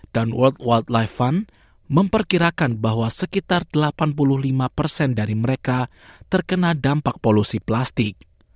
dan world wildlife fund memperkirakan bahwa sekitar delapan puluh lima dari mereka terkena dampak polusi plastik